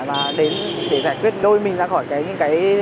và đến để giải quyết đôi mình ra khỏi những cái